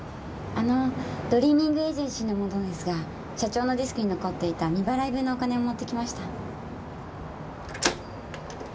ドリーミングエージェンシーの者ですが社長のデスクに残っていた未払い分のお金を持って来ました。